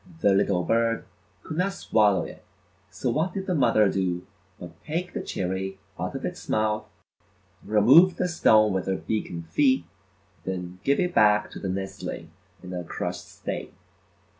The little bird could not swallow it, so what did the mother do but take the cherry out of its mouth, remove the stone with her beak and feet, and then give it back to the nestling in a crushed state.